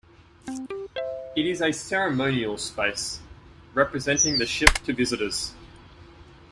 It is a ceremonial space, representing the ship to visitors.